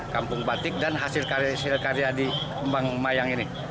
kampung batik dan hasil karya di kembang mayang ini